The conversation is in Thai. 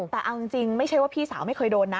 แต่เอาจริงไม่ใช่ว่าพี่สาวไม่เคยโดนนะ